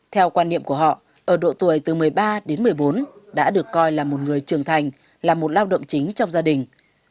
theo quan niệm của họ ở độ tuổi từ một mươi ba đến một mươi bốn đã được coi là một người trưởng thành là một lao động chính trong gia đình